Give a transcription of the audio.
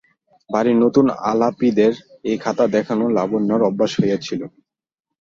বাড়ির নূতন-আলাপীদের এই খাতা দেখানো লাবণ্যর অভ্যাস হইয়াছিল।